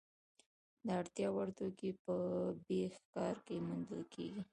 د اړتیا وړ توکي په ب ښار کې موندل کیدل.